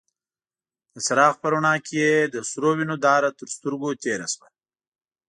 د څراغ په رڼا کې يې د سرو وينو داره تر سترګو تېره شوه.